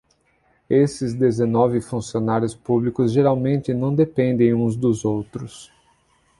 Esses dezenove funcionários públicos geralmente não dependem uns dos outros.